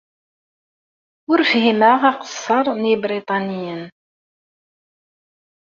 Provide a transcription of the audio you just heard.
Ur fhimeɣ aqeṣṣer n Yebriṭaniyen.